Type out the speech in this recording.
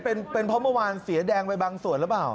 เป็นเพราะเมื่อวานเสียแดงไปบางส่วนหรือเปล่า